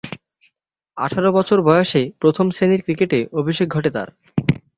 আঠারো বছর বয়সে প্রথম-শ্রেণীর ক্রিকেটে অভিষেক ঘটে তার।